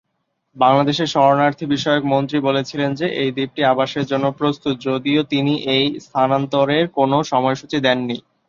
বাংলাদেশের শরণার্থী বিষয়ক মন্ত্রী বলেছিলেন যে এই দ্বীপটি "আবাসের জন্য প্রস্তুত", যদিও তিনি এই স্থানান্তরের কোন সময়সূচি দেননি।